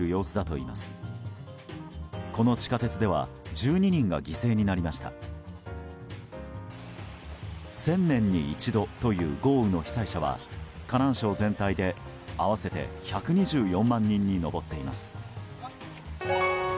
１０００年に一度という豪雨の被災者は河南省全体で合わせて１２４万人に上っています。